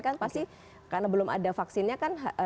karena belum ada vaksinnya kan